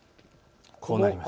こうなります。